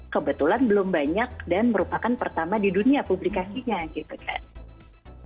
kebetulan belum banyak dan merupakan pertama di dunia publikasinya gitu kan